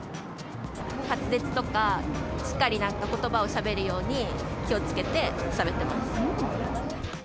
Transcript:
滑舌とかしっかりことばをしゃべるように気をつけてしゃべってます。